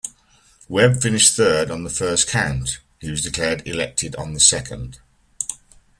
Webb finished third on the first count, and was declared elected on the second.